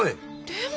でも。